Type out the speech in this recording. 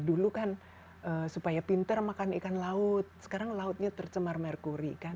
dulu kan supaya pinter makan ikan laut sekarang lautnya tercemar merkuri kan